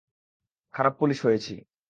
খারাপ পুলিশ হয়েছি।